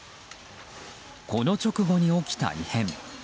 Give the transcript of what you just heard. この直後に起きた異変。